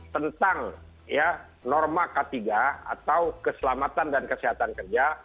tentang norma k tiga atau keselamatan dan kesehatan kerja